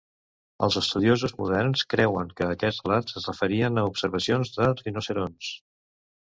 Els estudiosos moderns creuen que aquests relats es referien a observacions de rinoceronts.